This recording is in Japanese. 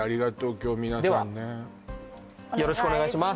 今日皆さんねではよろしくお願いします